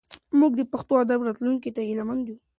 موږ د پښتو ادب راتلونکي ته هیله مند یو.